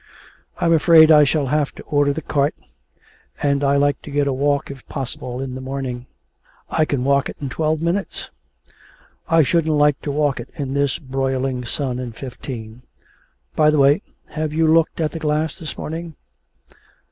'I'm afraid I shall have to order the cart, and I like to get a walk if possible in the morning.' 'I can walk it in twelve minutes.' 'I shouldn't like to walk it in this broiling sun in fifteen. ... By the way, have you looked at the glass this morning?'